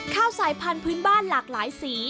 ข้าวสายพันธุ์บ้านหลากหลายสี